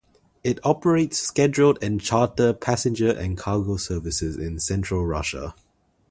It operates scheduled and charter passenger and cargo services in central Russia.